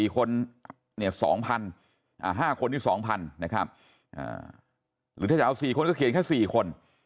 ๒๕คนที่๒๐๐นะครับหรือถ้าจะเอา๔คนก็เขียนแค่๔คน